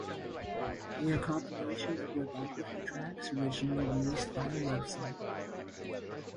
They are compilations of webography tracks originally released via website.